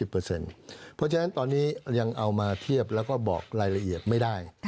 เพราะฉะนั้นตอนนี้ยังเอามาเทียบแล้วก็บอกรายละเอียดไม่ได้